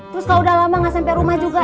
terus kalau udah lama gak sampai rumah juga